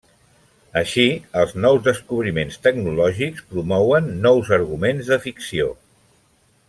Així, els nous descobriments tecnològics promouen nous arguments de ficció.